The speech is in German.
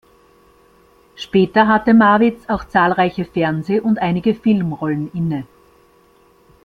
Später hatte Marwitz auch zahlreiche Fernseh- und einige Filmrollen inne.